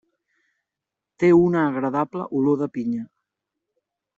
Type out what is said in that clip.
Té una agradable olor de pinya.